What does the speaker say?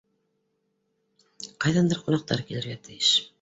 Ҡайҙандыр ҡунаҡтар килергә тейеш.